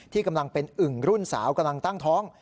กำลังเป็นอึ่งรุ่นสาวกำลังตั้งท้อง